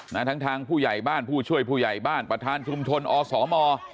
ทั้งทางผู้ใหญ่บ้านผู้ช่วยผู้ใหญ่บ้านประธานชุมชนอสม